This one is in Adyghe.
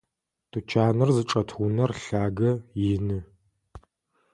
Тучаныр зычӏэт унэр лъагэ, ины.